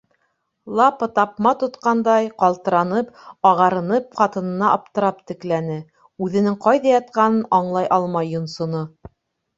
Лапа тапма тотҡандай ҡалтыранып, ағарынып, ҡатынына аптырап текләне, үҙенең ҡайҙа ятҡанын аңлай алмай йонсоно.